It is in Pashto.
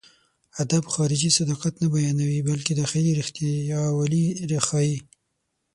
ادب خارجي صداقت نه بيانوي، بلکې داخلي رښتياوالی ښيي.